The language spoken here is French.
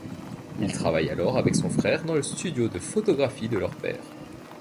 Il travaille alors avec son frère dans le studio de photographie de leur père.